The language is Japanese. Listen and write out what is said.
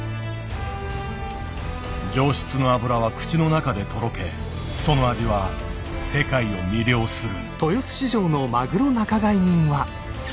上質の脂は口の中でとろけその味は世界を魅了する。